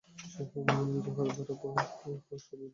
যাহা দ্বারা পশুভাব বৃদ্ধি পায়, তাহাই পাপ।